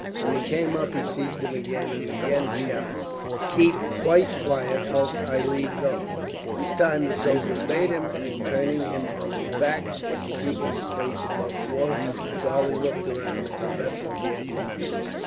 When he came up he seized him again, and again shouted: "Keep quite quiet, else I'll leave go." This time the soldier obeyed him and, turning him on his back, and keeping his face above water, Charlie looked around at the vessel he had left.